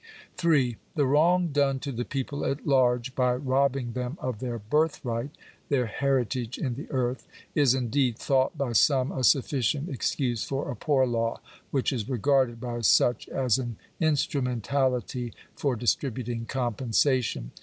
Digitized by VjOOQIC ft 316 POOR LAWS. §3. The wrong done to the people at large by robbing them of their birthright — their heritage in the earth — is, indeed, thought by some a sufficient excuse for a poor law, whioh is regarded by such as an instrumentality for distributing compensation.